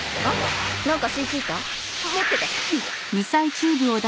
持ってて。